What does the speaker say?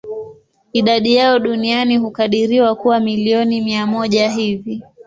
Idadi yao duniani hukadiriwa kuwa milioni mia moja hivi.